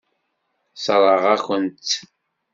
Sseṛɣeɣ-akent-tt.